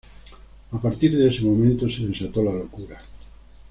A partir de ese momento se desató la locura.